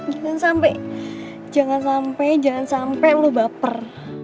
jangan sampe jangan sampe jangan sampe lo baper